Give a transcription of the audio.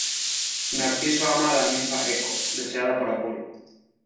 Narciso ama a la ninfa Eco, deseada por Apolo.